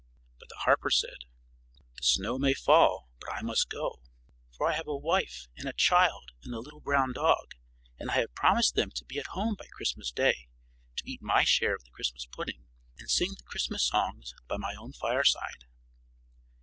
But the harper said, "The snow may fall, but I must go, for I have a wife and a child and a little brown dog; and I have promised them to be at home by Christmas day to eat my share of the Christmas pudding and sing the Christmas songs by my own fireside."